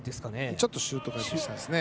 ちょっとシュート回転ですね。